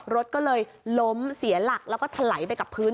รถก็เลยล้มเสียหลักแล้วก็ถลายไปกับพื้น